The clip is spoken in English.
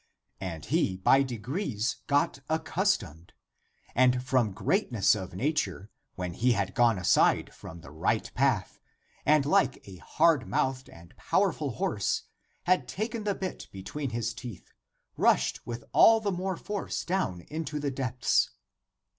And he by degrees got accustomed ; and from greatness of nature, when he had gone aside from the right path, and hke a hard moutlied and powerful horse, had taken the bit between his teeth, rushed with all the more force down into the depths.